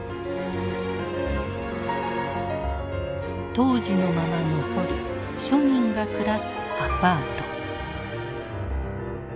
当時のまま残る庶民が暮らすアパート。